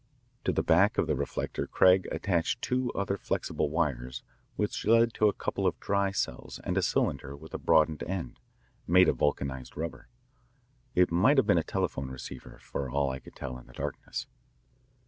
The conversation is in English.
To the back of the reflector Craig attached two other flexible wires which led to a couple of dry cells and a cylinder with a broadened end, made of vulcanised rubber. It might have been a telephone receiver, for all I could tell in the darkness.